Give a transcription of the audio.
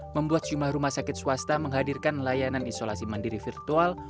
membuat jumlah rumah sakit swasta menghadirkan layanan isolasi mandiri virtual